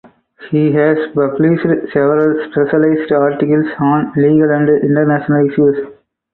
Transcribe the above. He has published several specialized articles on legal and international issues.